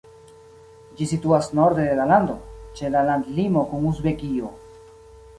Ĝi situas norde de la lando, ĉe la landlimo kun Uzbekio.